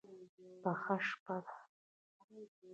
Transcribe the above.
پخه شپه ده.